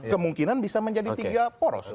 kemungkinan bisa menjadi tiga poros